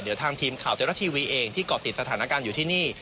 เดี๋ยวทางทีมข่าวเทวรัฐทีวีเองที่เกาะติดสถานการณ์อยู่ที่นี่